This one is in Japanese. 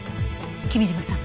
君嶋さん。